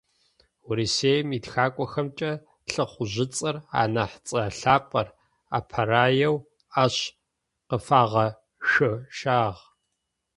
Урысыем итхакӀохэмкӏэ ЛӀыхъужъыцӏэр, анахь цӏэ лъапӏэр, апэрэеу ащ къыфагъэшъошагъ.